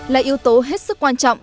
là yếu tố hết sức quan trọng